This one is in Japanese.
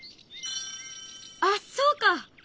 あっそうか！